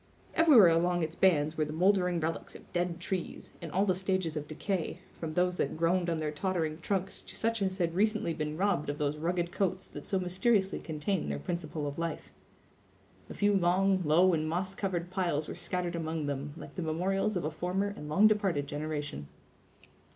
Everywhere along its bands were the moldering relics of dead trees, in all the stages of decay, from those that groaned on their tottering trunks to such as had recently been robbed of those rugged coats that so mysteriously contain their principle of life. A few long, low, and moss covered piles were scattered among them, like the memorials of a former and long departed generation.